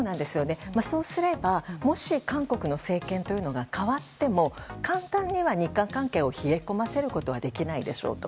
そうすればもし韓国の政権というのが変わっても簡単には日韓関係を冷え込ませることはできないでしょうと。